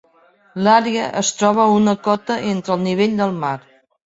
L'àrea es troba a una cota entre el nivell del mar.